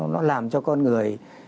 nó làm cho con người